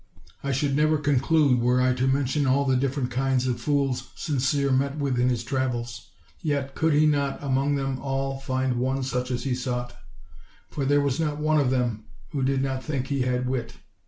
I should never conclude were I to mention all the different kinds of fools Sincere met with in his travels: yet could he not among them all find one such as he sought; for there was not one of them who did not think he had wit.